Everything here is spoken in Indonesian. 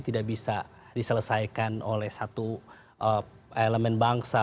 tidak bisa diselesaikan oleh satu elemen bangsa